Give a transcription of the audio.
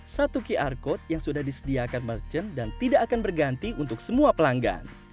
satu qr code yang sudah disediakan merchant dan tidak akan berganti untuk semua pelanggan